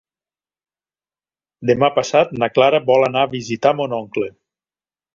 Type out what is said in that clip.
Demà passat na Clara vol anar a visitar mon oncle.